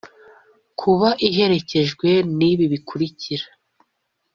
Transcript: Kuba iherekejwe n ibi bikurikira